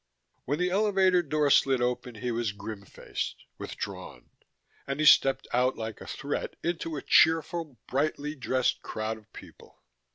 _ When the elevator door slid open he was grim faced, withdrawn, and he stepped out like a threat into a cheerful, brightly dressed crowd of people.